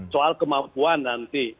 soal kemampuan nanti